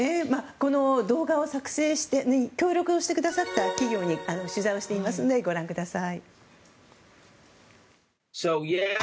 この動画作成に協力してくださった企業に取材していますのでご覧ください。